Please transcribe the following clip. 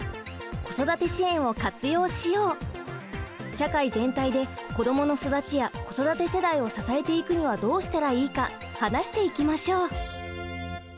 社会全体で子どもの育ちや子育て世代を支えていくにはどうしたらいいか話していきましょう！